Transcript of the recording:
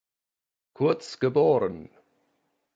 Kurz geboren.